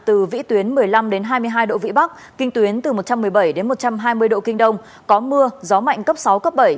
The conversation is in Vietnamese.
từ vĩ tuyến một mươi năm đến hai mươi hai độ vĩ bắc kinh tuyến từ một trăm một mươi bảy đến một trăm hai mươi độ kinh đông có mưa gió mạnh cấp sáu cấp bảy